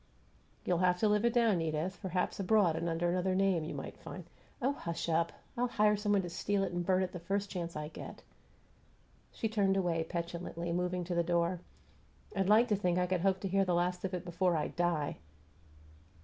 "You'll have to live it down, Edith. Perhaps abroad and under another name you might find " "Oh, hush up! I'll hire some one to steal it and burn it the first chance I get." She turned away petulantly, moving to the door. "I'd like to think I could hope to hear the last of it before I die!"